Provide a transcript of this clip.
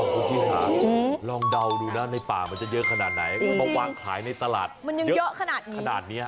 พี่ค่ะลองเดาดูด้านในป่ามันจะเยอะขนาดไหนวางขายในตลาดเยอะขนาดนี้